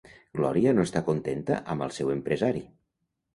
Glòria no està contenta amb el seu empresari.